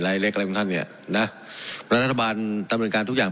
ลายเล็กอะไรของท่านเนี้ยนะลัทธบารณ์ทำลงการทุกอย่าง